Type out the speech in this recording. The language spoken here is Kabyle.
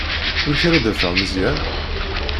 Amek ara d-afeɣ Meẓyan?